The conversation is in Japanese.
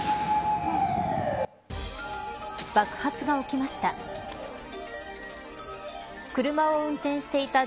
爆発が起きました。